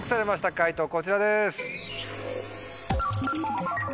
解答こちらです。